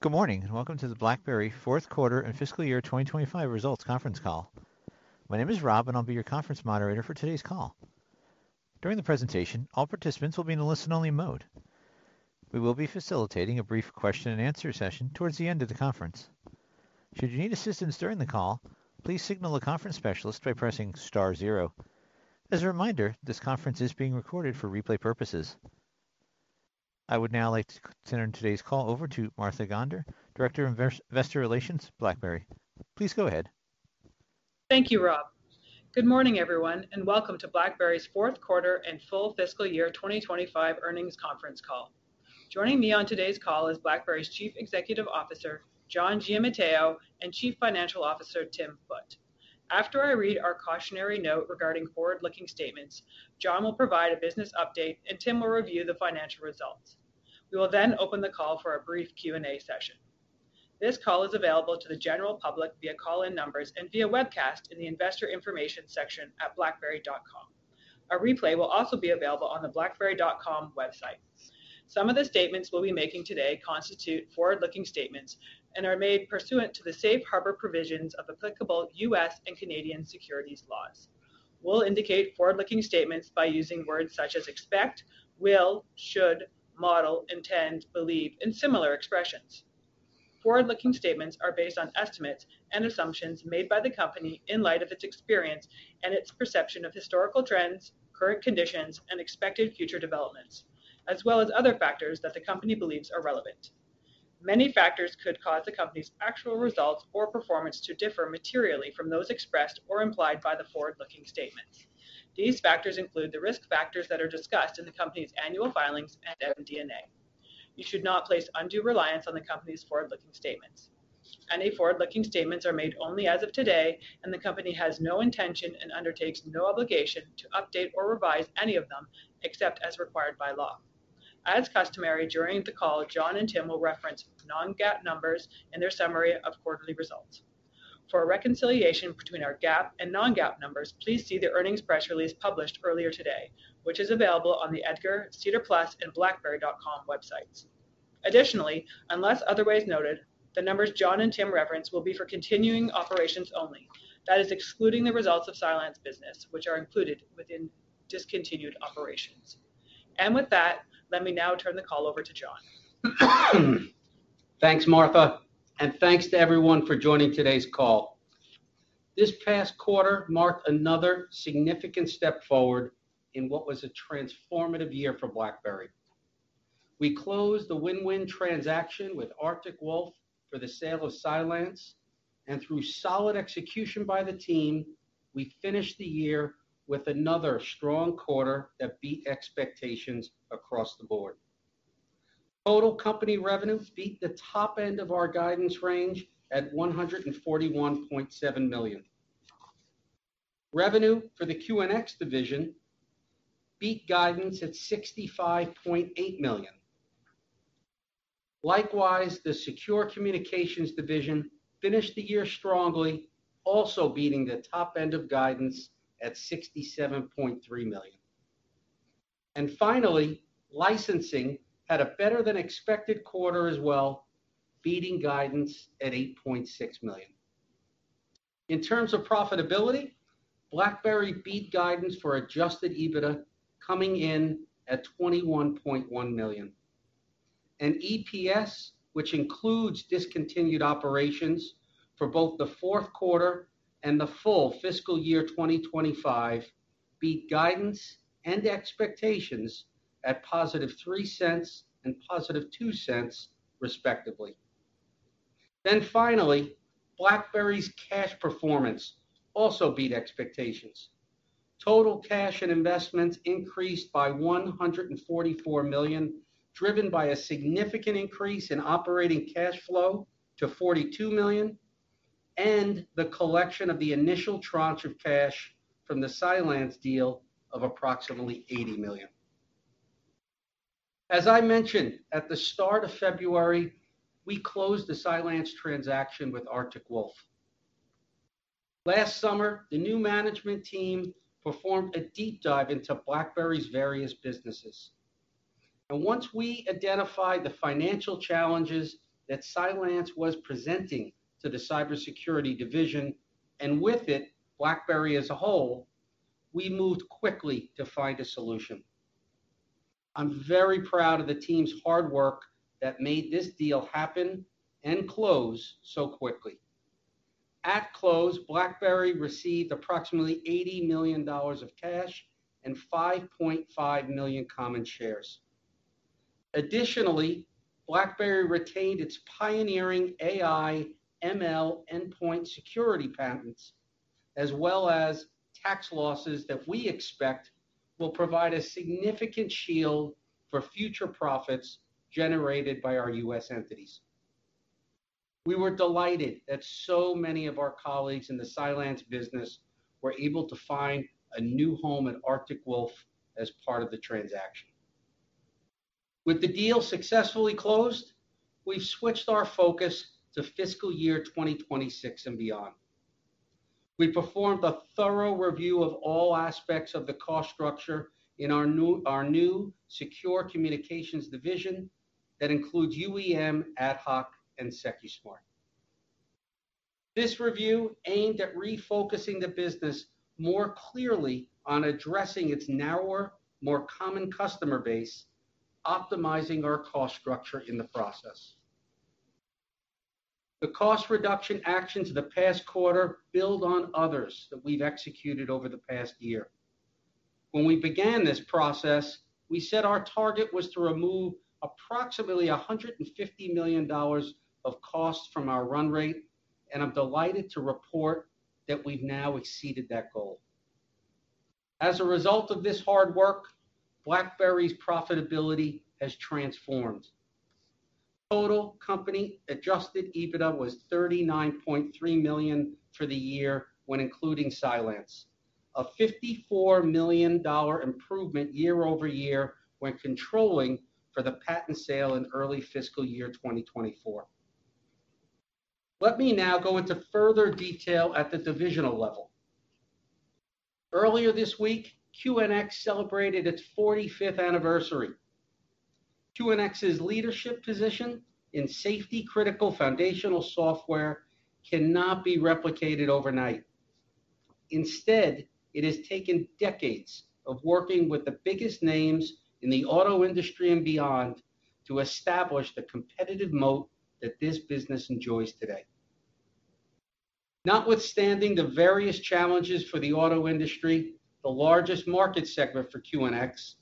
Good morning and welcome to the BlackBerry fourth quarter and fiscal year 2025 results conference call. My name is Rob, and I'll be your conference moderator for today's call. During the presentation, all participants will be in a listen-only mode. We will be facilitating a brief question-and-answer session towards the end of the conference. Should you need assistance during the call, please signal a conference specialist by pressing star zero. As a reminder, this conference is being recorded for replay purposes. I would now like to turn today's call over to Martha Gonder, Director of Investor Relations, BlackBerry. Please go ahead. Thank you, Rob. Good morning, everyone, and welcome to BlackBerry's fourth quarter and full fiscal year 2025 earnings conference call. Joining me on today's call is BlackBerry's Chief Executive Officer, John Giamatteo, and Chief Financial Officer, Tim Foote. After I read our cautionary note regarding forward-looking statements, John will provide a business update, and Tim will review the financial results. We will then open the call for a brief Q&A session. This call is available to the general public via call-in numbers and via webcast in the investor information section at blackberry.com. A replay will also be available on the blackberry.com website. Some of the statements we'll be making today constitute forward-looking statements and are made pursuant to the safe harbor provisions of applicable U.S. and Canadian securities laws. We'll indicate forward-looking statements by using words such as expect, will, should, model, intend, believe, and similar expressions. Forward-looking statements are based on estimates and assumptions made by the company in light of its experience and its perception of historical trends, current conditions, and expected future developments, as well as other factors that the company believes are relevant. Many factors could cause the company's actual results or performance to differ materially from those expressed or implied by the forward-looking statements. These factors include the risk factors that are discussed in the company's annual filings and MD&A. You should not place undue reliance on the company's forward-looking statements. Any forward-looking statements are made only as of today, and the company has no intention and undertakes no obligation to update or revise any of them except as required by law. As customary, during the call, John and Tim will reference non-GAAP numbers in their summary of quarterly results. For reconciliation between our GAAP and non-GAAP numbers, please see the earnings press release published earlier today, which is available on the EDGAR, SEDAR+, and blackberry.com websites. Additionally, unless otherwise noted, the numbers John and Tim reference will be for continuing operations only. That is excluding the results of Cylance business, which are included within discontinued operations. With that, let me now turn the call over to John. Thanks, Martha, and thanks to everyone for joining today's call. This past quarter marked another significant step forward in what was a transformative year for BlackBerry. We closed the win-win transaction with Arctic Wolf for the sale of Cylance, and through solid execution by the team, we finished the year with another strong quarter that beat expectations across the board. Total company revenue beat the top end of our guidance range at $141.7 million. Revenue for the QNX division beat guidance at $65.8 million. Likewise, the Secure Communications division finished the year strongly, also beating the top end of guidance at $67.3 million. Finally, licensing had a better-than-expected quarter as well, beating guidance at $8.6 million. In terms of profitability, BlackBerry beat guidance for adjusted EBITDA coming in at $21.1 million. EPS, which includes discontinued operations for both the fourth quarter and the full fiscal year 2025, beat guidance and expectations at positive $0.03 and positive $0.02 respectively. Finally, BlackBerry's cash performance also beat expectations. Total cash and investments increased by $144 million, driven by a significant increase in operating cash flow to $42 million, and the collection of the initial tranche of cash from the Cylance deal of approximately $80 million. As I mentioned at the start of February, we closed the Cylance transaction with Arctic Wolf. Last summer, the new management team performed a deep dive into BlackBerry's various businesses. Once we identified the financial challenges that Cylance was presenting to the cybersecurity division, and with it, BlackBerry as a whole, we moved quickly to find a solution. I'm very proud of the team's hard work that made this deal happen and close so quickly. At close, BlackBerry received approximately $80 million of cash and $5.5 million common shares. Additionally, BlackBerry retained its pioneering AI/ML endpoint security patents, as well as tax losses that we expect will provide a significant shield for future profits generated by our U.S. entities. We were delighted that so many of our colleagues in the Cylance business were able to find a new home at Arctic Wolf as part of the transaction. With the deal successfully closed, we've switched our focus to fiscal year 2026 and beyond. We performed a thorough review of all aspects of the cost structure in our new Secure Communications division that includes UEM, AtHoc, and Secusmart. This review aimed at refocusing the business more clearly on addressing its narrower, more common customer base, optimizing our cost structure in the process. The cost reduction actions of the past quarter build on others that we've executed over the past year. When we began this process, we said our target was to remove approximately $150 million of costs from our run rate, and I'm delighted to report that we've now exceeded that goal. As a result of this hard work, BlackBerry's profitability has transformed. Total company adjusted EBITDA was $39.3 million for the year when including Cylance, a $54 million improvement year over year when controlling for the patent sale in early fiscal year 2024. Let me now go into further detail at the divisional level. Earlier this week, QNX celebrated its 45th anniversary. QNX's leadership position in safety-critical foundational software cannot be replicated overnight. Instead, it has taken decades of working with the biggest names in the auto industry and beyond to establish the competitive moat that this business enjoys today. Notwithstanding the various challenges for the auto industry, the largest market segment for QNX,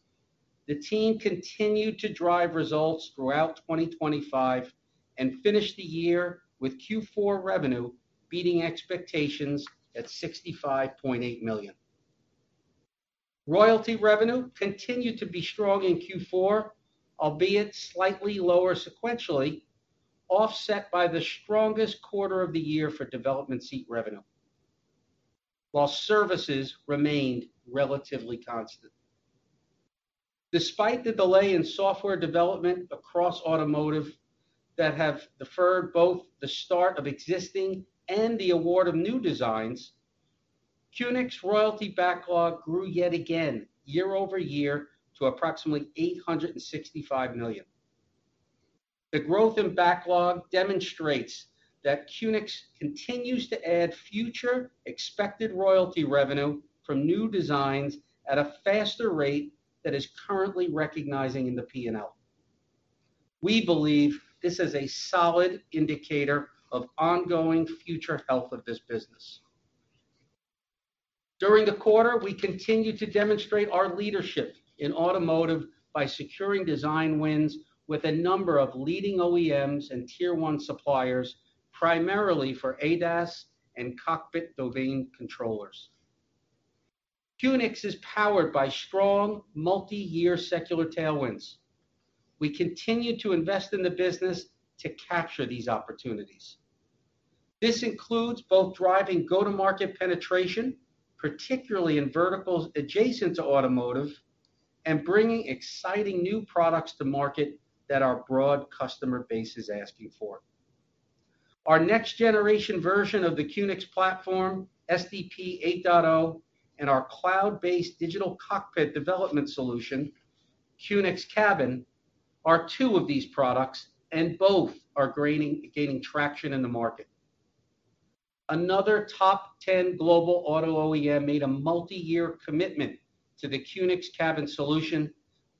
the team continued to drive results throughout 2025 and finished the year with Q4 revenue beating expectations at $65.8 million. Royalty revenue continued to be strong in Q4, albeit slightly lower sequentially, offset by the strongest quarter of the year for development seat revenue, while services remained relatively constant. Despite the delay in software development across automotive that have deferred both the start of existing and the award of new designs, QNX's royalty backlog grew yet again year over year to approximately $865 million. The growth in backlog demonstrates that QNX continues to add future expected royalty revenue from new designs at a faster rate than is currently recognizing in the P&L. We believe this is a solid indicator of ongoing future health of this business. During the quarter, we continue to demonstrate our leadership in automotive by securing design wins with a number of leading OEMs and Tier 1 suppliers, primarily for ADAS and cockpit domain controllers. QNX is powered by strong multi-year secular tailwinds. We continue to invest in the business to capture these opportunities. This includes both driving go-to-market penetration, particularly in verticals adjacent to automotive, and bringing exciting new products to market that our broad customer base is asking for. Our next-generation version of the QNX platform, SDP 8.0, and our cloud-based digital cockpit development solution, QNX Cabin, are two of these products, and both are gaining traction in the market. Another top-ten global auto OEM made a multi-year commitment to the QNX Cabin solution,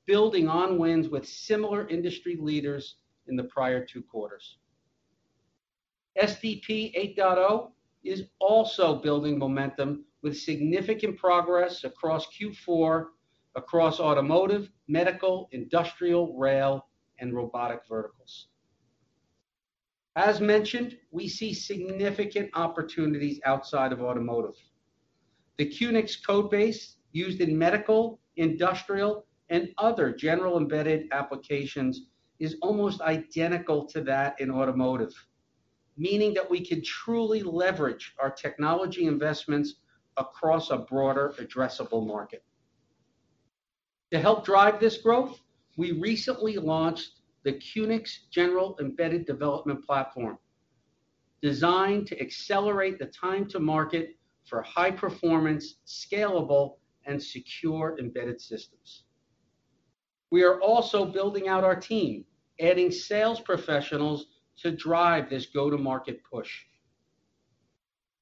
building on wins with similar industry leaders in the prior two quarters. SDP 8.0 is also building momentum with significant progress across Q4 across automotive, medical, industrial, rail, and robotic verticals. As mentioned, we see significant opportunities outside of automotive. The QNX code base used in medical, industrial, and other general embedded applications is almost identical to that in automotive, meaning that we can truly leverage our technology investments across a broader addressable market. To help drive this growth, we recently launched the QNX General Embedded Development Platform, designed to accelerate the time to market for high-performance, scalable, and secure embedded systems. We are also building out our team, adding sales professionals to drive this go-to-market push.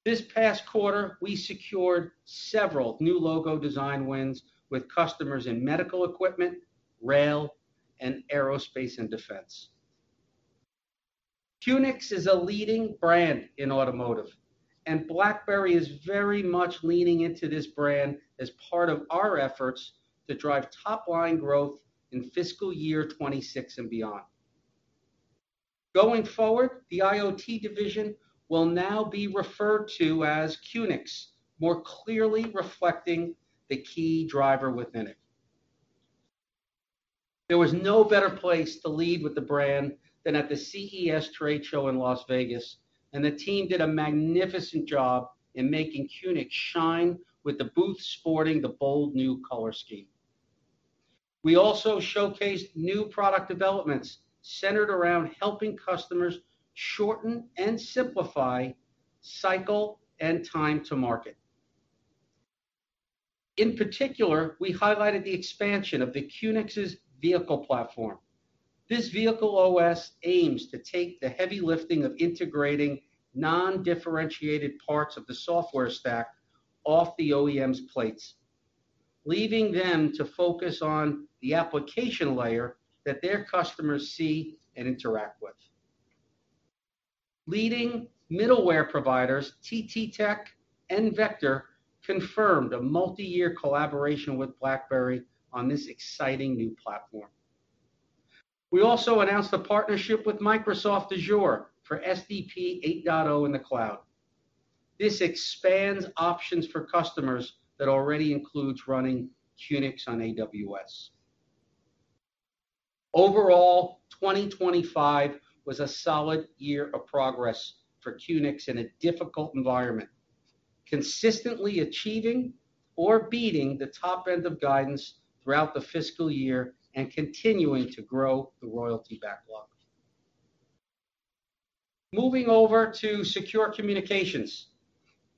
This past quarter, we secured several new logo design wins with customers in medical equipment, rail, and aerospace and defense. QNX is a leading brand in automotive, and BlackBerry is very much leaning into this brand as part of our efforts to drive top-line growth in fiscal year 2026 and beyond. Going forward, the IoT division will now be referred to as QNX, more clearly reflecting the key driver within it. There was no better place to lead with the brand than at the CES Trade Show in Las Vegas, and the team did a magnificent job in making QNX shine with the booth sporting the bold new color scheme. We also showcased new product developments centered around helping customers shorten and simplify cycle and time to market. In particular, we highlighted the expansion of QNX's vehicle platform. This vehicle OS aims to take the heavy lifting of integrating non-differentiated parts of the software stack off the OEM's plates, leaving them to focus on the application layer that their customers see and interact with. Leading middleware providers, TTTech and Vector, confirmed a multi-year collaboration with BlackBerry on this exciting new platform. We also announced a partnership with Microsoft Azure for SDP 8.0 in the cloud. This expands options for customers that already include running QNX on AWS. Overall, 2025 was a solid year of progress for QNX in a difficult environment, consistently achieving or beating the top end of guidance throughout the fiscal year and continuing to grow the royalty backlog. Moving over to Secure Communications,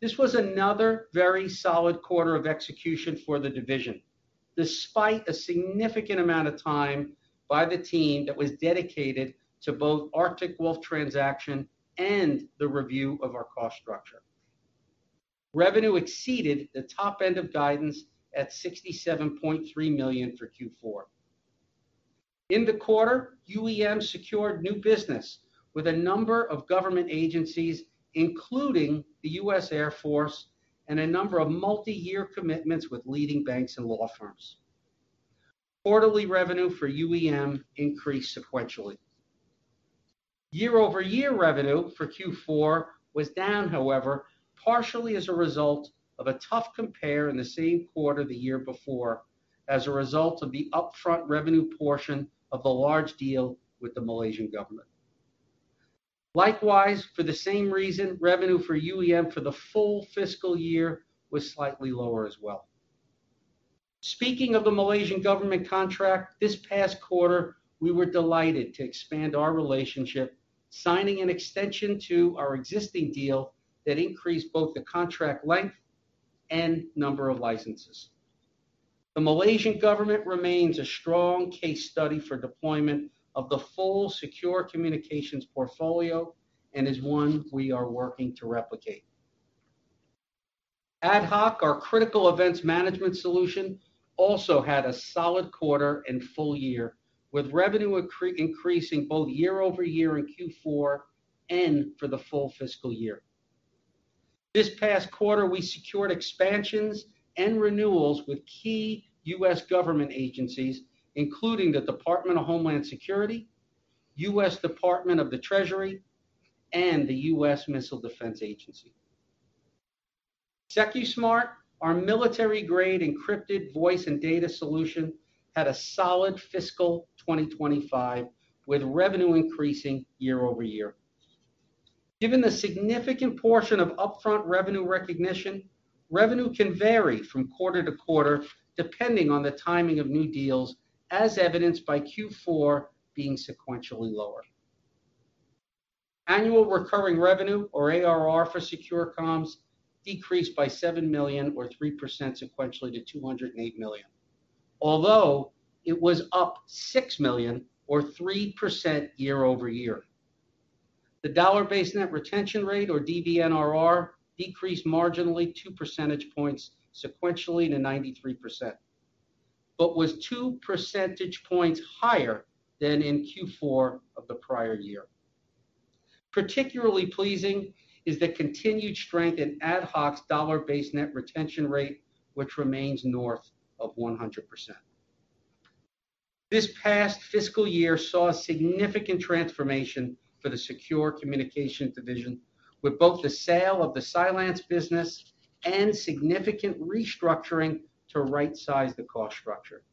this was another very solid quarter of execution for the division, despite a significant amount of time by the team that was dedicated to both Arctic Wolf transaction and the review of our cost structure. Revenue exceeded the top end of guidance at $67.3 million for Q4. In the quarter, UEM secured new business with a number of government agencies, including the U.S. Air Force, and a number of multi-year commitments with leading banks and law firms. Quarterly revenue for UEM increased sequentially. Year-over-year revenue for Q4 was down, however, partially as a result of a tough compare in the same quarter the year before as a result of the upfront revenue portion of the large deal with the Malaysian government. Likewise, for the same reason, revenue for UEM for the full fiscal year was slightly lower as well. Speaking of the Malaysian government contract, this past quarter, we were delighted to expand our relationship, signing an extension to our existing deal that increased both the contract length and number of licenses. The Malaysian government remains a strong case study for deployment of the full Secure Communications portfolio and is one we are working to replicate. AtHoc, our critical events management solution, also had a solid quarter and full year, with revenue increasing both year-over-year in Q4 and for the full fiscal year. This past quarter, we secured expansions and renewals with key U.S. government agencies, including the Department of Homeland Security, U.S. Department of the Treasury, and the U.S. Missile Defense Agency. Secusmart, our military-grade encrypted voice and data solution, had a solid fiscal 2025 with revenue increasing year-over-year. Given the significant portion of upfront revenue recognition, revenue can vary from quarter to quarter depending on the timing of new deals, as evidenced by Q4 being sequentially lower. Annual recurring revenue, or ARR for Secure Comms, decreased by $7 million, or 3% sequentially to $208 million, although it was up $6 million, or 3% year-over-year. The dollar-based net retention rate, or DBNRR, decreased marginally two percentage points sequentially to 93%, but was two percentage points higher than in Q4 of the prior year. Particularly pleasing is the continued strength in AtHoc's dollar-based net retention rate, which remains north of 100%. This past fiscal year saw a significant transformation for the Secure Communications division, with both the sale of the Cylance business and significant restructuring to right-size the cost structure.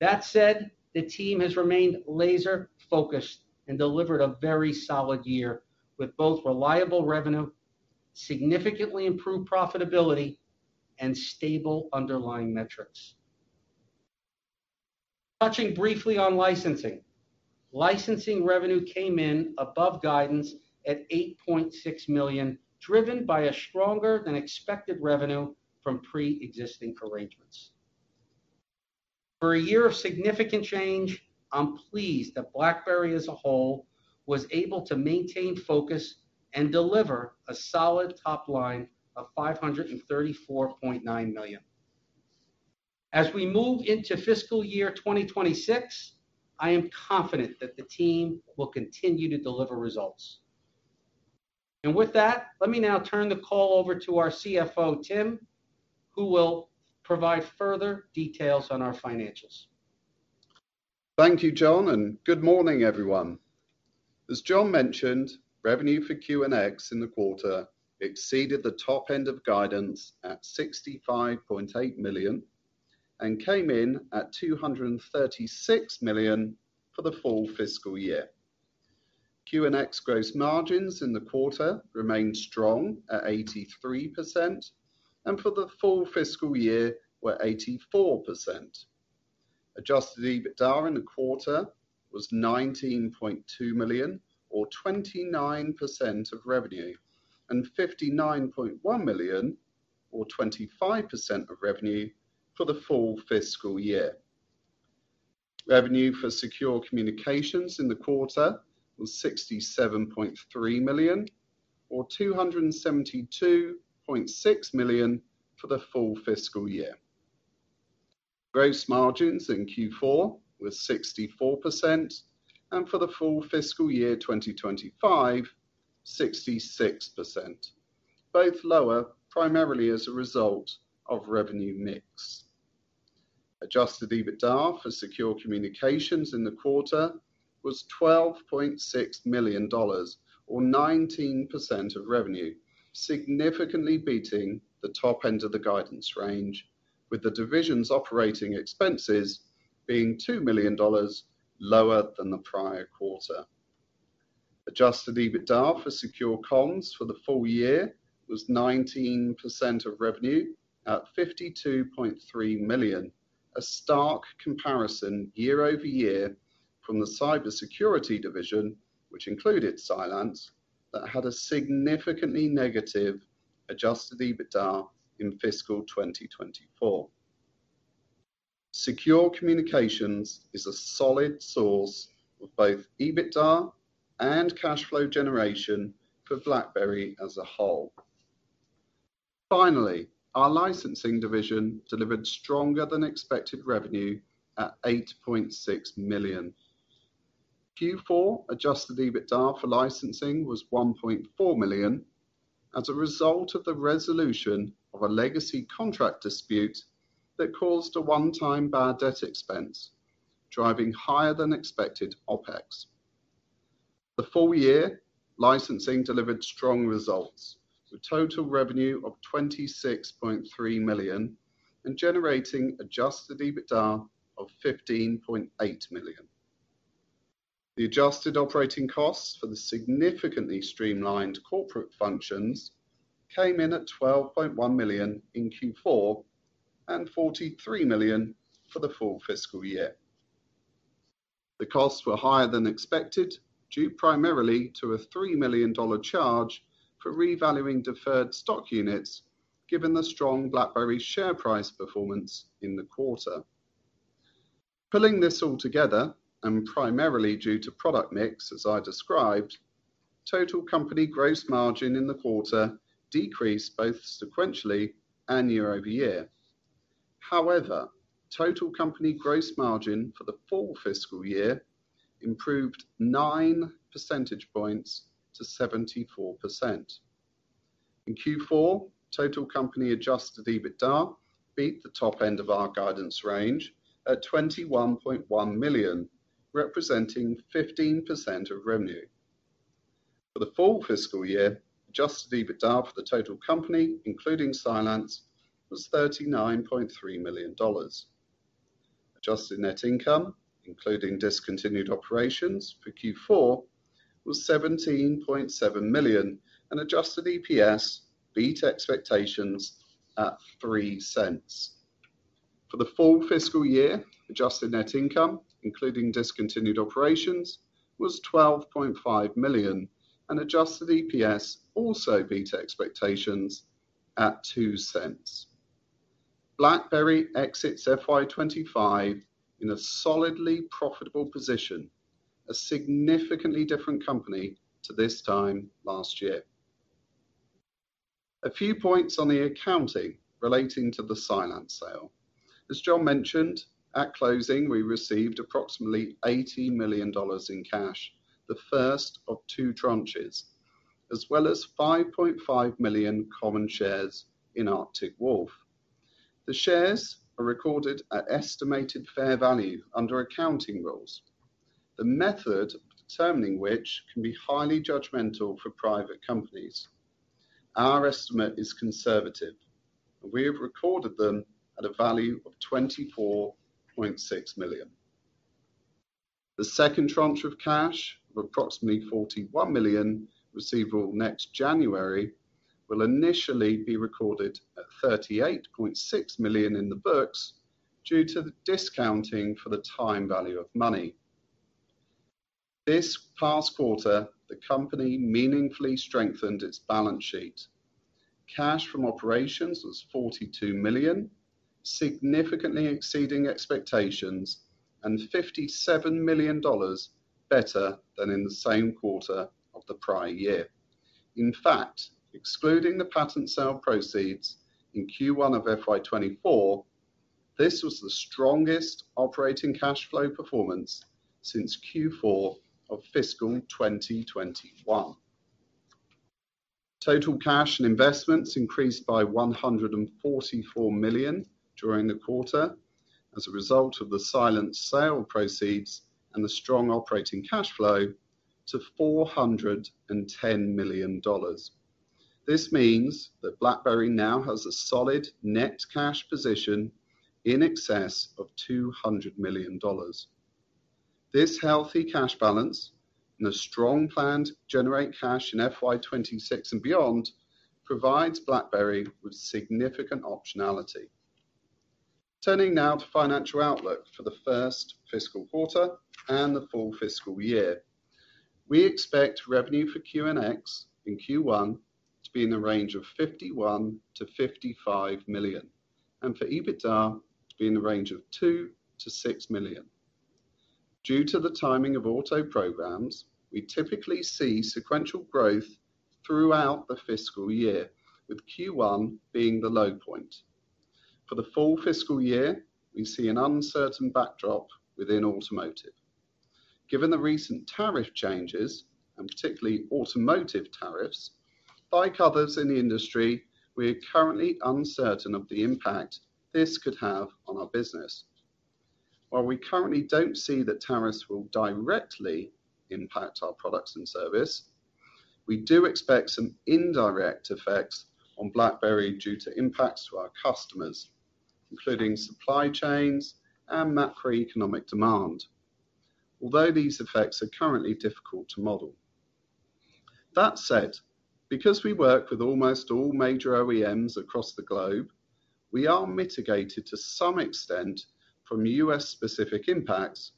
That said, the team has remained laser-focused and delivered a very solid year with both reliable revenue, significantly improved profitability, and stable underlying metrics. Touching briefly on licensing, licensing revenue came in above guidance at $8.6 million, driven by a stronger-than-expected revenue from pre-existing arrangements. For a year of significant change, I'm pleased that BlackBerry as a whole was able to maintain focus and deliver a solid top line of $534.9 million. As we move into fiscal year 2026, I am confident that the team will continue to deliver results. With that, let me now turn the call over to our CFO, Tim, who will provide further details on our financials. Thank you, John, and good morning, everyone. As John mentioned, revenue for QNX in the quarter exceeded the top end of guidance at $65.8 million and came in at $236 million for the full fiscal year. QNX gross margins in the quarter remained strong at 83%, and for the full fiscal year, were 84%. Adjusted EBITDA in the quarter was $19.2 million, or 29% of revenue, and $59.1 million, or 25% of revenue, for the full fiscal year. Revenue for Secure Communications in the quarter was $67.3 million, or $272.6 million for the full fiscal year. Gross margins in Q4 were 64%, and for the full fiscal year 2025, 66%, both lower primarily as a result of revenue mix. Adjusted EBITDA for Secure Communications in the quarter was $12.6 million, or 19% of revenue, significantly beating the top end of the guidance range, with the division's operating expenses being $2 million lower than the prior quarter. Adjusted EBITDA for Secure Comms for the full year was 19% of revenue at $52.3 million, a stark comparison year-over-year from the cybersecurity division, which included Cylance, that had a significantly negative adjusted EBITDA in fiscal 2024. Secure Communications is a solid source of both EBITDA and cash flow generation for BlackBerry as a whole. Finally, our licensing division delivered stronger-than-expected revenue at $8.6 million. Q4 adjusted EBITDA for licensing was $1.4 million as a result of the resolution of a legacy contract dispute that caused a one-time bad debt expense, driving higher-than-expected OPEX. The full year, licensing delivered strong results, with total revenue of $26.3 million and generating adjusted EBITDA of $15.8 million. The adjusted operating costs for the significantly streamlined corporate functions came in at $12.1 million in Q4 and $43 million for the full fiscal year. The costs were higher than expected due primarily to a $3 million charge for revaluing deferred stock units, given the strong BlackBerry share price performance in the quarter. Pulling this all together, and primarily due to product mix, as I described, total company gross margin in the quarter decreased both sequentially and year-over-year. However, total company gross margin for the full fiscal year improved 9 percentage points to 74%. In Q4, total company adjusted EBITDA beat the top end of our guidance range at $21.1 million, representing 15% of revenue. For the full fiscal year, adjusted EBITDA for the total company, including Cylance, was $39.3 million. Adjusted net income, including discontinued operations for Q4, was $17.7 million, and adjusted EPS beat expectations at $0.03. For the full fiscal year, adjusted net income, including discontinued operations, was $12.5 million, and adjusted EPS also beat expectations at $0.02. BlackBerry exits FY25 in a solidly profitable position, a significantly different company to this time last year. A few points on the accounting relating to the Cylance sale. As John mentioned, at closing, we received approximately $80 million in cash, the first of two tranches, as well as 5.5 million common shares in Arctic Wolf. The shares are recorded at estimated fair value under accounting rules, the method determining which can be highly judgmental for private companies. Our estimate is conservative, and we have recorded them at a value of $24.6 million. The second tranche of cash, of approximately $41 million, receivable next January, will initially be recorded at $38.6 million in the books due to the discounting for the time value of money. This past quarter, the company meaningfully strengthened its balance sheet. Cash from operations was $42 million, significantly exceeding expectations and $57 million better than in the same quarter of the prior year. In fact, excluding the patent sale proceeds in Q1 of FY24, this was the strongest operating cash flow performance since Q4 of fiscal 2021. Total cash and investments increased by $144 million during the quarter as a result of the Cylance sale proceeds and the strong operating cash flow to $410 million. This means that BlackBerry now has a solid net cash position in excess of $200 million. This healthy cash balance and a strong plan to generate cash in FY26 and beyond provides BlackBerry with significant optionality. Turning now to financial outlook for the first fiscal quarter and the full fiscal year, we expect revenue for QNX in Q1 to be in the range of $51-$55 million, and for EBITDA to be in the range of $2-$6 million. Due to the timing of auto programs, we typically see sequential growth throughout the fiscal year, with Q1 being the low point. For the full fiscal year, we see an uncertain backdrop within automotive. Given the recent tariff changes, and particularly automotive tariffs, like others in the industry, we are currently uncertain of the impact this could have on our business. While we currently do not see that tariffs will directly impact our products and service, we do expect some indirect effects on BlackBerry due to impacts to our customers, including supply chains and macroeconomic demand, although these effects are currently difficult to model. That said, because we work with almost all major OEMs across the globe, we are mitigated to some extent from U.S.-specific impacts,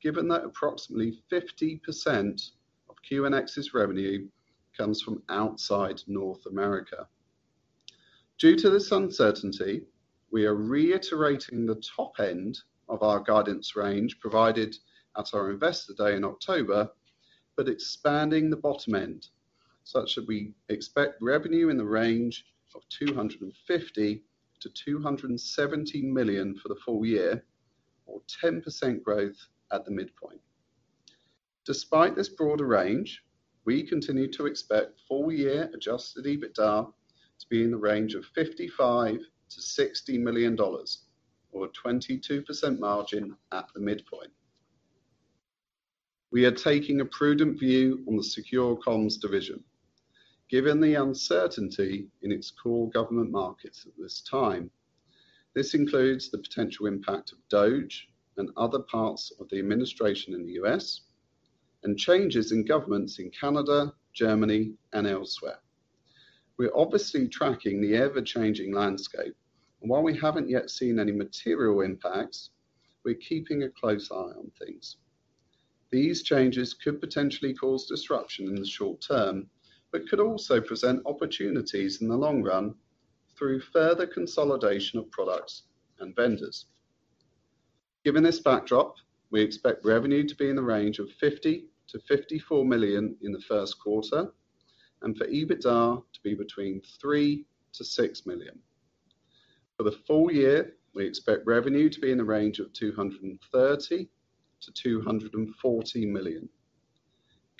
given that approximately 50% of QNX's revenue comes from outside North America. Due to this uncertainty, we are reiterating the top end of our guidance range provided at our investor day in October, but expanding the bottom end, such that we expect revenue in the range of $250-$270 million for the full year, or 10% growth at the midpoint. Despite this broader range, we continue to expect full-year adjusted EBITDA to be in the range of $55-$60 million, or a 22% margin at the midpoint. We are taking a prudent view on the Secure Comms division, given the uncertainty in its core government markets at this time. This includes the potential impact of DOGE and other parts of the administration in the U.S., and changes in governments in Canada, Germany, and elsewhere. We're obviously tracking the ever-changing landscape, and while we haven't yet seen any material impacts, we're keeping a close eye on things. These changes could potentially cause disruption in the short term, but could also present opportunities in the long run through further consolidation of products and vendors. Given this backdrop, we expect revenue to be in the range of $50-$54 million in the first quarter, and for EBITDA to be between $3-$6 million. For the full year, we expect revenue to be in the range of $230-$240 million.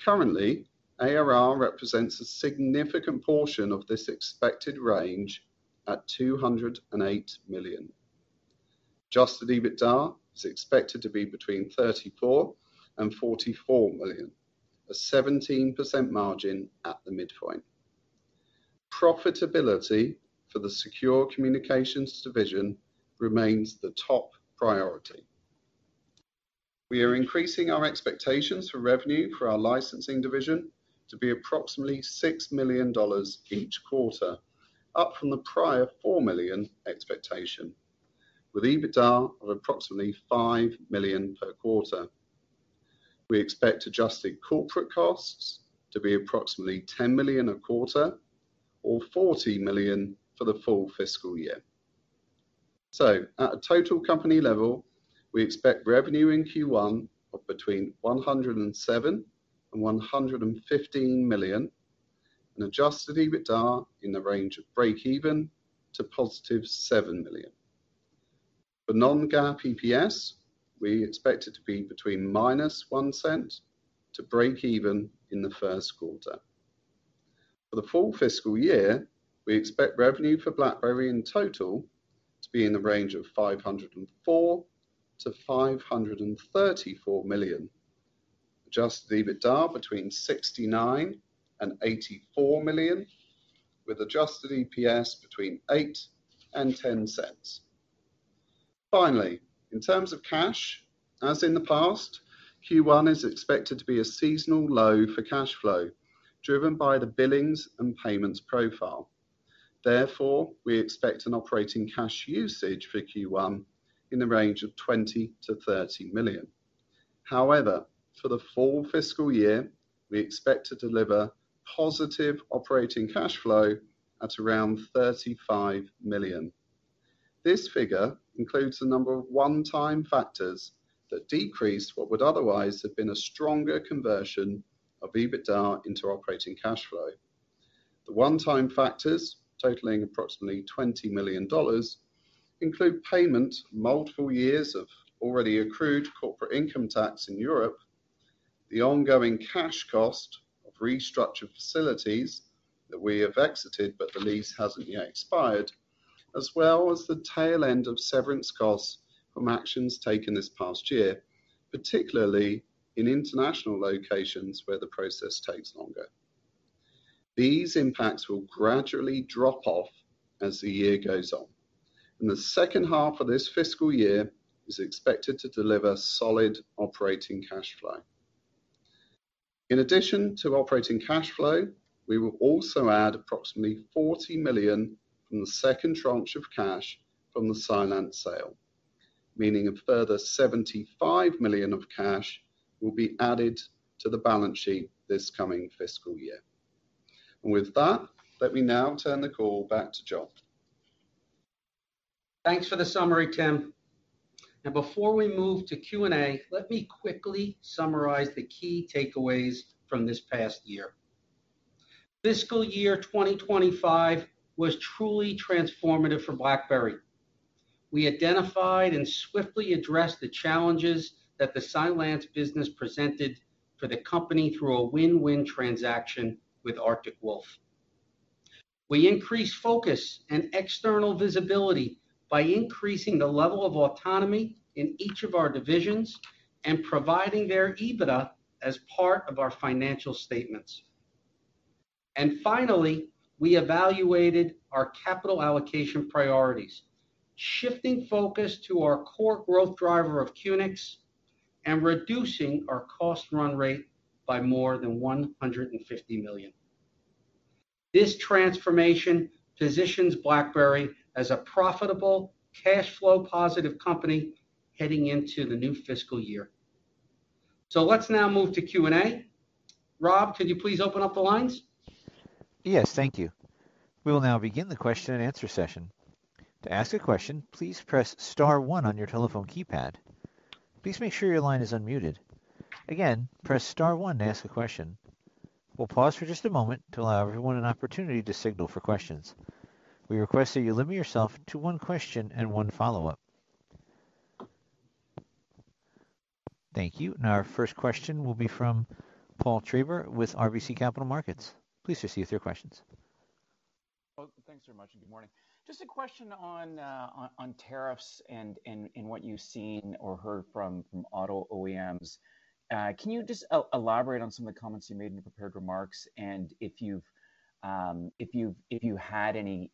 Currently, ARR represents a significant portion of this expected range at $208 million. Adjusted EBITDA is expected to be between $34-$44 million, a 17% margin at the midpoint. Profitability for the Secure Communications division remains the top priority. We are increasing our expectations for revenue for our licensing division to be approximately $6 million each quarter, up from the prior $4 million expectation, with EBITDA of approximately $5 million per quarter. We expect adjusted corporate costs to be approximately $10 million a quarter, or $40 million for the full fiscal year. At a total company level, we expect revenue in Q1 of between $107-$115 million, and adjusted EBITDA in the range of break-even to positive $7 million. For non-GAAP EPS, we expect it to be between minus $0.01 to break-even in the first quarter. For the full fiscal year, we expect revenue for BlackBerry in total to be in the range of $504-$534 million, adjusted EBITDA between $69-$84 million, with adjusted EPS between $0.08 and $0.10. Finally, in terms of cash, as in the past, Q1 is expected to be a seasonal low for cash flow, driven by the billings and payments profile. Therefore, we expect an operating cash usage for Q1 in the range of $20-$30 million. However, for the full fiscal year, we expect to deliver positive operating cash flow at around $35 million. This figure includes a number of one-time factors that decreased what would otherwise have been a stronger conversion of EBITDA into operating cash flow. The one-time factors, totaling approximately $20 million, include payment for multiple years of already accrued corporate income tax in Europe, the ongoing cash cost of restructured facilities that we have exited but the lease has not yet expired, as well as the tail end of severance costs from actions taken this past year, particularly in international locations where the process takes longer. These impacts will gradually drop off as the year goes on, and the second half of this fiscal year is expected to deliver solid operating cash flow. In addition to operating cash flow, we will also add approximately $40 million from the second tranche of cash from the Cylance sale, meaning a further $75 million of cash will be added to the balance sheet this coming fiscal year. With that, let me now turn the call back to John. Thanks for the summary, Tim. Now, before we move to Q&A, let me quickly summarize the key takeaways from this past year. Fiscal year 2025 was truly transformative for BlackBerry. We identified and swiftly addressed the challenges that the Cylance business presented for the company through a win-win transaction with Arctic Wolf. We increased focus and external visibility by increasing the level of autonomy in each of our divisions and providing their EBITDA as part of our financial statements. Finally, we evaluated our capital allocation priorities, shifting focus to our core growth driver of QNX and reducing our cost run rate by more than $150 million. This transformation positions BlackBerry as a profitable, cash flow positive company heading into the new fiscal year. Let's now move to Q&A. Rob, could you please open up the lines? Yes, thank you. We will now begin the question and answer session. To ask a question, please press star one on your telephone keypad. Please make sure your line is unmuted. Again, press star one to ask a question. We'll pause for just a moment to allow everyone an opportunity to signal for questions. We request that you limit yourself to one question and one follow-up. Thank you. Now, our first question will be from Paul Treiber with RBC Capital Markets. Please proceed with your questions. Thanks very much and good morning. Just a question on tariffs and what you've seen or heard from auto OEMs. Can you just elaborate on some of the comments you made in the prepared remarks and if you've had any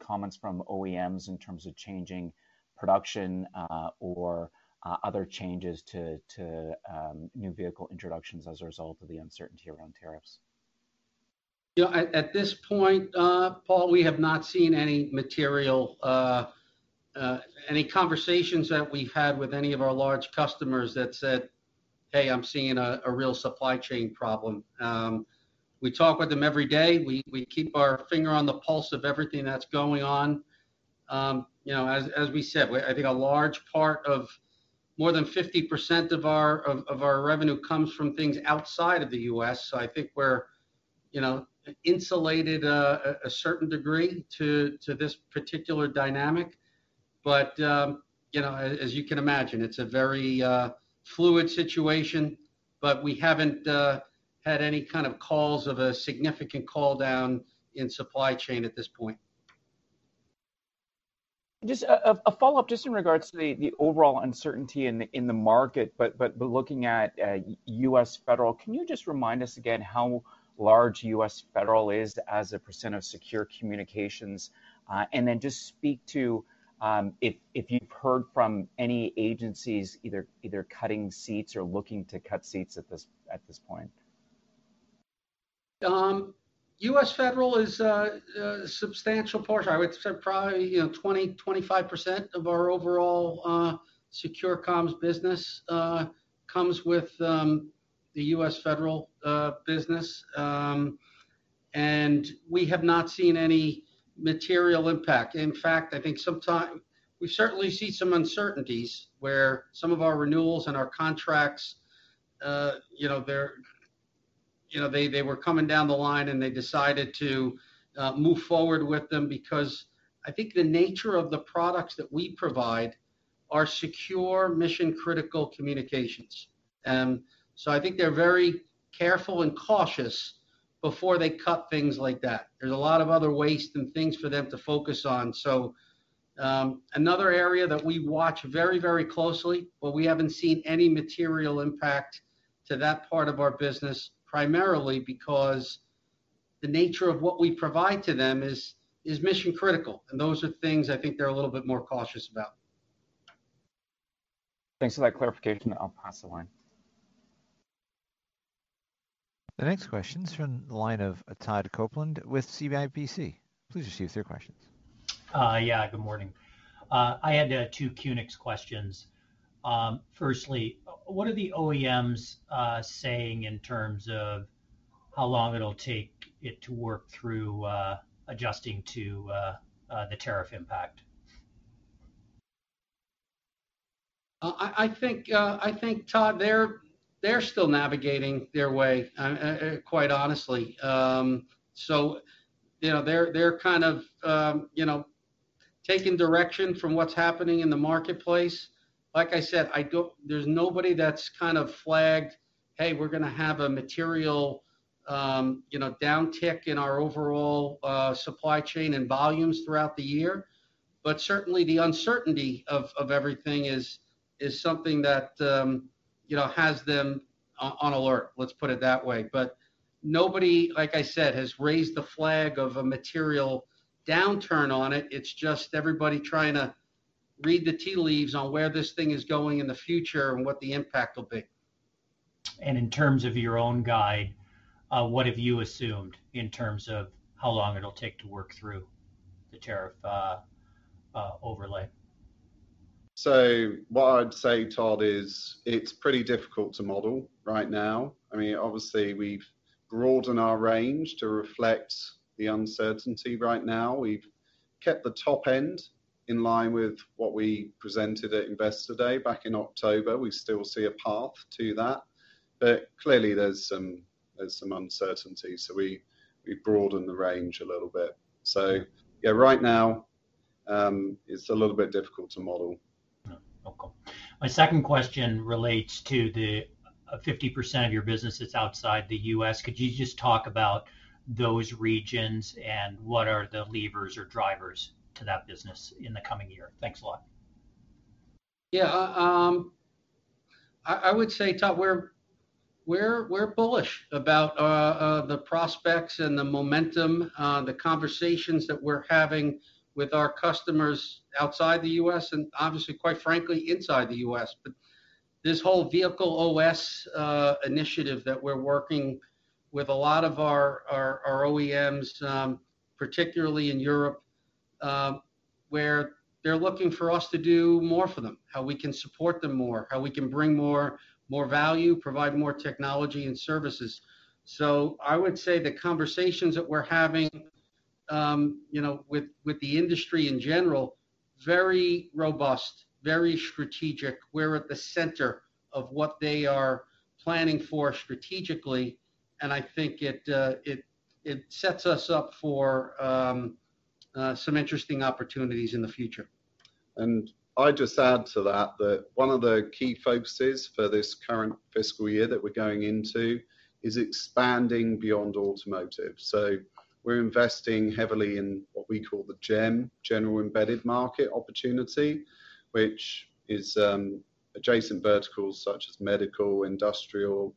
comments from OEMs in terms of changing production or other changes to new vehicle introductions as a result of the uncertainty around tariffs? At this point, Paul, we have not seen any conversations that we've had with any of our large customers that said, "Hey, I'm seeing a real supply chain problem." We talk with them every day. We keep our finger on the pulse of everything that's going on. As we said, I think a large part of more than 50% of our revenue comes from things outside of the U.S. I think we're insulated to a certain degree to this particular dynamic. As you can imagine, it's a very fluid situation, but we haven't had any kind of calls of a significant call down in supply chain at this point. Just a follow-up just in regards to the overall uncertainty in the market, but looking at U.S. Federal, can you just remind us again how large U.S. Federal is as a percent of secure communications? Then just speak to if you've heard from any agencies either cutting seats or looking to cut seats at this point. U.S. Federal is a substantial portion. I would say probably 20%-25% of our overall secure comms business comes with the U.S. Federal business, and we have not seen any material impact. In fact, I think sometimes we've certainly seen some uncertainties where some of our renewals and our contracts, they were coming down the line and they decided to move forward with them because I think the nature of the products that we provide are secure, mission-critical communications. I think they're very careful and cautious before they cut things like that. There's a lot of other waste and things for them to focus on. Another area that we watch very, very closely, but we haven't seen any material impact to that part of our business, primarily because the nature of what we provide to them is mission-critical, and those are things I think they're a little bit more cautious about. Thanks for that clarification. I'll pass the line. The next question is from the line of Todd Coupland with CIBC. Please proceed with your questions. Yeah, good morning. I had two QNX questions. Firstly, what are the OEMs saying in terms of how long it'll take to work through adjusting to the tariff impact? I think, Todd, they're still navigating their way, quite honestly. They are kind of taking direction from what's happening in the marketplace. Like I said, there's nobody that's flagged, "Hey, we're going to have a material downtick in our overall supply chain and volumes throughout the year." Certainly, the uncertainty of everything is something that has them on alert, let's put it that way. Nobody, like I said, has raised the flag of a material downturn on it. It's just everybody trying to read the tea leaves on where this thing is going in the future and what the impact will be. In terms of your own guide, what have you assumed in terms of how long it'll take to work through the tariff overlay? What I'd say, Todd, is it's pretty difficult to model right now. I mean, obviously, we've broadened our range to reflect the uncertainty right now. We've kept the top end in line with what we presented at Investor Day back in October. We still see a path to that, but clearly, there's some uncertainty. We broadened the range a little bit. Right now, it's a little bit difficult to model. My second question relates to the 50% of your business that's outside the U.S. Could you just talk about those regions and what are the levers or drivers to that business in the coming year? Thanks a lot. Yeah. I would say, Todd, we're bullish about the prospects and the momentum, the conversations that we're having with our customers outside the U.S. and, quite frankly, inside the U.S. This whole vehicle OS initiative that we're working with a lot of our OEMs, particularly in Europe, where they're looking for us to do more for them, how we can support them more, how we can bring more value, provide more technology and services. I would say the conversations that we're having with the industry in general, very robust, very strategic. We're at the center of what they are planning for strategically, and I think it sets us up for some interesting opportunities in the future. I'd just add to that that one of the key focuses for this current fiscal year that we're going into is expanding beyond automotive. We're investing heavily in what we call the GEM, General Embedded Market Opportunity, which is adjacent verticals such as medical, industrial,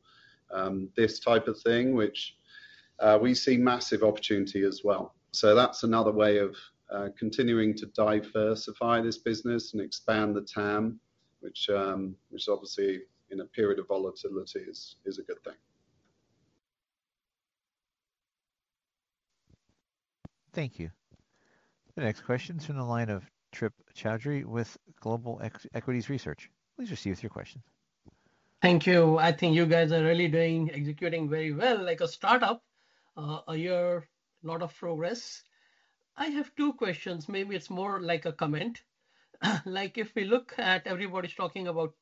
this type of thing, which we see massive opportunity as well. That's another way of continuing to diversify this business and expand the TAM, which obviously, in a period of volatility, is a good thing. Thank you. The next question is from the line of Trip Chowdhry with Global Equities Research. Please proceed with your question. Thank you. I think you guys are really executing very well like a startup. You're a lot of progress. I have two questions. Maybe it's more like a comment. If we look at everybody's talking about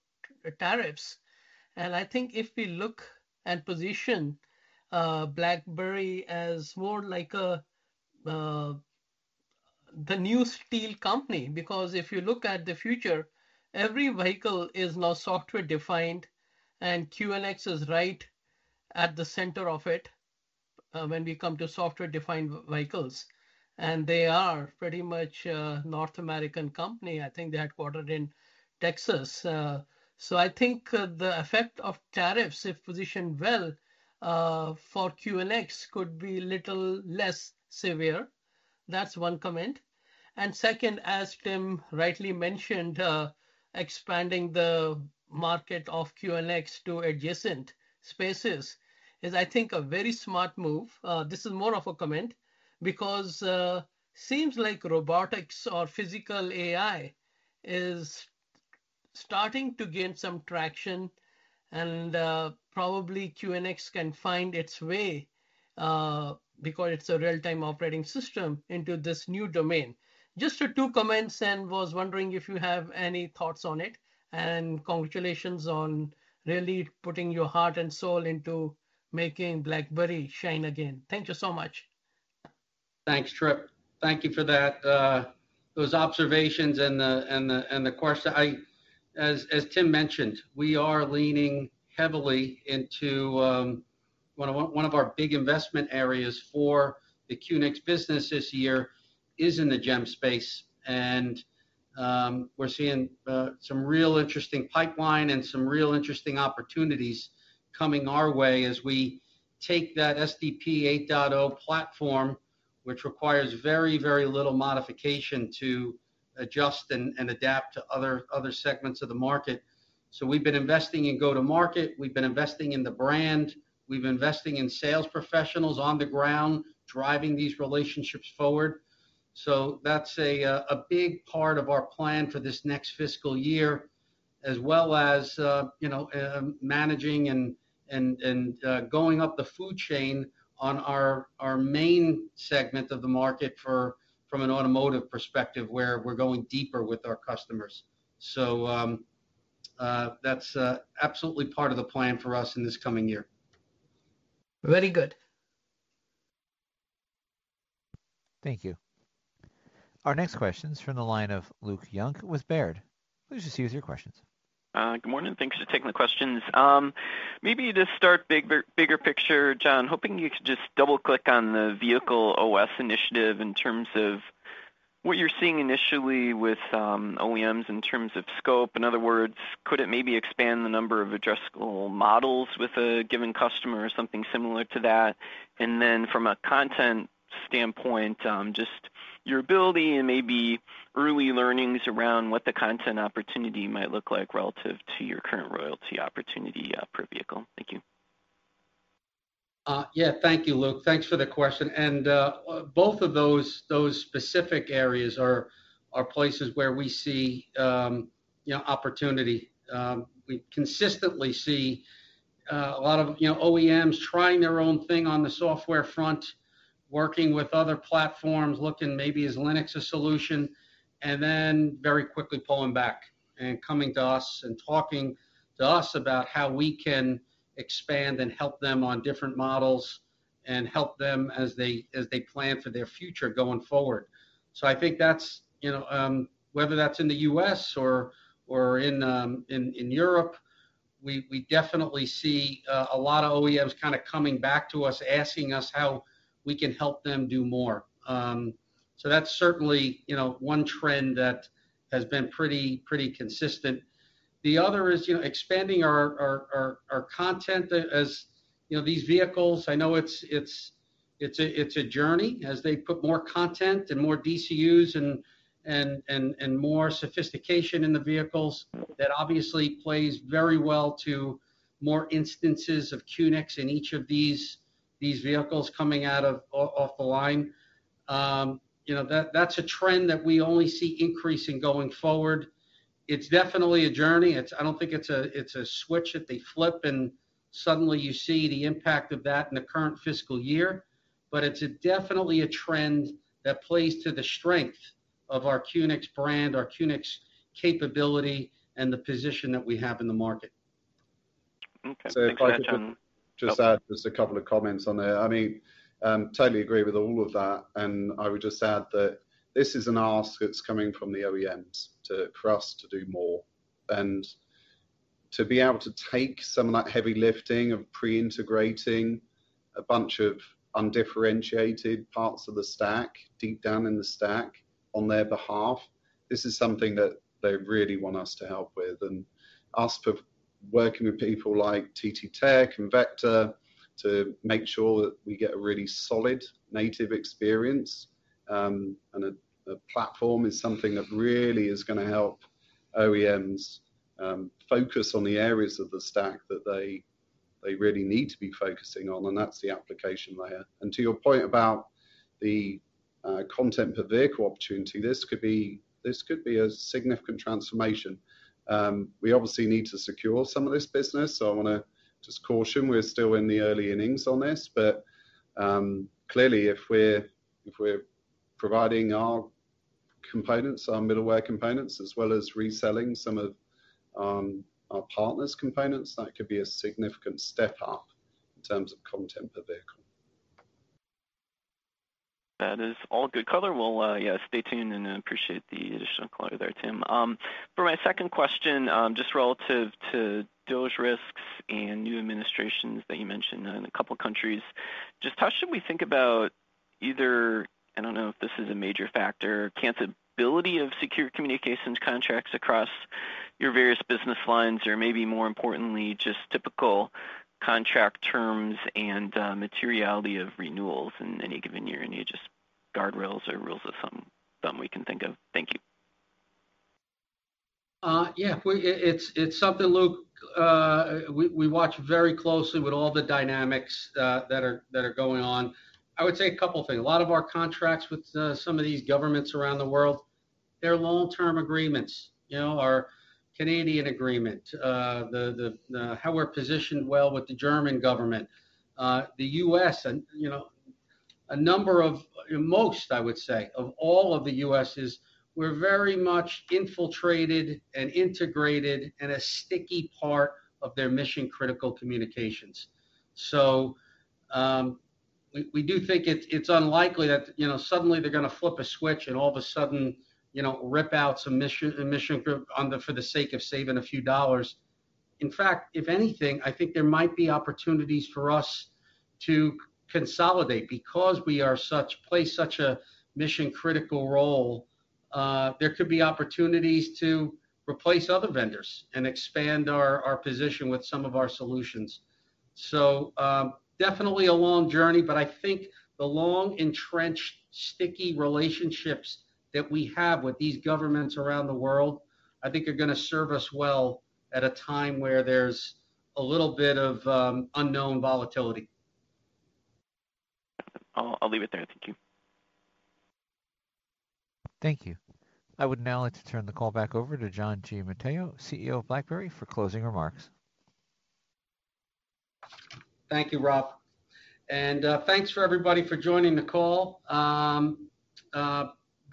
tariffs, I think if we look and position BlackBerry as more like the new steel company, because if you look at the future, every vehicle is now software-defined, and QNX is right at the center of it when we come to software-defined vehicles. They are pretty much a North American company. I think they are headquartered in Texas. I think the effect of tariffs, if positioned well for QNX, could be a little less severe. That's one comment. Second, as Tim rightly mentioned, expanding the market of QNX to adjacent spaces is, I think, a very smart move. This is more of a comment because it seems like robotics or physical AI is starting to gain some traction, and probably QNX can find its way because it's a real-time operating system into this new domain. Just two comments and was wondering if you have any thoughts on it. And congratulations on really putting your heart and soul into making BlackBerry shine again. Thank you so much. Thanks, Trip. Thank you for those observations and the question. As Tim mentioned, we are leaning heavily into one of our big investment areas for the QNX business this year is in the GEM space. We are seeing some real interesting pipeline and some real interesting opportunities coming our way as we take that SDP 8.0 platform, which requires very, very little modification to adjust and adapt to other segments of the market. We have been investing in go-to-market. We have been investing in the brand. We have been investing in sales professionals on the ground driving these relationships forward. That's a big part of our plan for this next fiscal year, as well as managing and going up the food chain on our main segment of the market from an automotive perspective where we're going deeper with our customers. That's absolutely part of the plan for us in this coming year. Very good. Thank you. Our next question is from the line of Luke Junk with Baird. Please proceed with your questions. Good morning. Thanks for taking the questions. Maybe to start, bigger picture, John, hoping you could just double-click on the vehicle OS initiative in terms of what you're seeing initially with OEMs in terms of scope. In other words, could it maybe expand the number of addressable models with a given customer or something similar to that? From a content standpoint, just your ability and maybe early learnings around what the content opportunity might look like relative to your current royalty opportunity per vehicle. Thank you. Yeah, thank you, Luke. Thanks for the question. Both of those specific areas are places where we see opportunity. We consistently see a lot of OEMs trying their own thing on the software front, working with other platforms, looking maybe at Linux as a solution, and then very quickly pulling back and coming to us and talking to us about how we can expand and help them on different models and help them as they plan for their future going forward. I think whether that's in the U.S. or in Europe, we definitely see a lot of OEMs kind of coming back to us, asking us how we can help them do more. That is certainly one trend that has been pretty consistent. The other is expanding our content as these vehicles. I know it is a journey as they put more content and more DCUs and more sophistication in the vehicles. That obviously plays very well to more instances of QNX in each of these vehicles coming out off the line. That is a trend that we only see increasing going forward. It is definitely a journey. I do not think it is a switch that they flip and suddenly you see the impact of that in the current fiscal year. It is definitely a trend that plays to the strength of our QNX brand, our QNX capability, and the position that we have in the market. Okay. If I can just add just a couple of comments on there. I mean, I totally agree with all of that. I would just add that this is an ask that's coming from the OEMs for us to do more. To be able to take some of that heavy lifting of pre-integrating a bunch of undifferentiated parts of the stack, deep down in the stack on their behalf, this is something that they really want us to help with. Us working with people like TTTech and Vector to make sure that we get a really solid native experience and a platform is something that really is going to help OEMs focus on the areas of the stack that they really need to be focusing on. That's the application layer. To your point about the content per vehicle opportunity, this could be a significant transformation. We obviously need to secure some of this business. I want to just caution, we're still in the early innings on this. Clearly, if we're providing our components, our middleware components, as well as reselling some of our partners' components, that could be a significant step up in terms of content per vehicle. That is all good color. Yeah, stay tuned and appreciate the additional clarity there, Tim. For my second question, just relative to DOGE risks and new administrations that you mentioned in a couple of countries, just how should we think about either, I don't know if this is a major factor, capability of secure communications contracts across your various business lines, or maybe more importantly, just typical contract terms and materiality of renewals in any given year? Any just guardrails or rules of thumb we can think of? Thank you. Yeah. It's something, Luke. We watch very closely with all the dynamics that are going on. I would say a couple of things. A lot of our contracts with some of these governments around the world, they're long-term agreements. Our Canadian agreement, how we're positioned well with the German government, the U.S. A number of, most, I would say, of all of the U.S. is we're very much infiltrated and integrated and a sticky part of their mission-critical communications. We do think it's unlikely that suddenly they're going to flip a switch and all of a sudden rip out some mission group for the sake of saving a few dollars. In fact, if anything, I think there might be opportunities for us to consolidate because we play such a mission-critical role. There could be opportunities to replace other vendors and expand our position with some of our solutions. Definitely a long journey, but I think the long entrenched, sticky relationships that we have with these governments around the world are going to serve us well at a time where there's a little bit of unknown volatility. I'll leave it there. Thank you. Thank you. I would now like to turn the call back over to John Giamatteo, CEO of BlackBerry, for closing remarks. Thank you, Rob. And thanks for everybody for joining the call.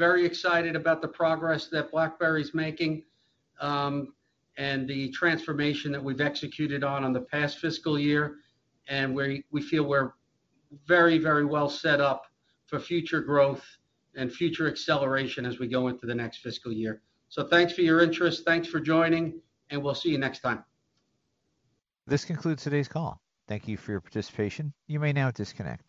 Very excited about the progress that BlackBerry is making and the transformation that we've executed on in the past fiscal year. We feel we're very, very well set up for future growth and future acceleration as we go into the next fiscal year. Thanks for your interest. Thanks for joining. We'll see you next time. This concludes today's call. Thank you for your participation. You may now disconnect.